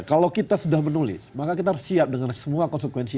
kalau kita sudah menulis maka kita harus siap dengan semua konsekuensi